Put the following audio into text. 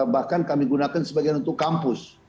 bahkan kami gunakan sebagian untuk kampus